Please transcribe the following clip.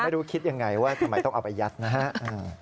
ไม่รู้คิดอย่างไรว่าทำไมต้องเอาไปยัดนะครับ